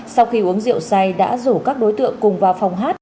sau khi uống rượu say đã rủ các đối tượng cùng vào phòng hát